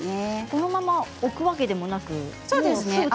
このまま置くわけでもないんですね。